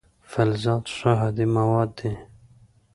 فلزات ښه هادي مواد دي.